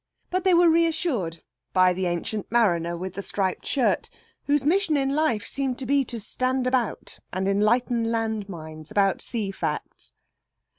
But they were reassured by the ancient mariner with the striped shirt, whose mission in life seemed to be to stand about and enlighten land minds about sea facts.